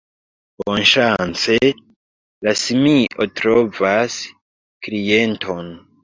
Bonŝance, la simio trovas klienton.